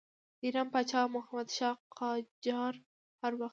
د ایران پاچا محمدشاه قاجار هر وخت.